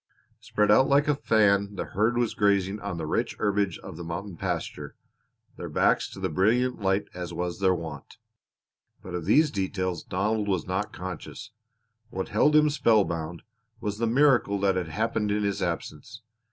Spread out like a fan the herd was grazing on the rich herbage of the mountain pasture, their backs to the brilliant light as was their wont. But of these details Donald was not conscious. What held him spellbound was the miracle that had happened in his absence.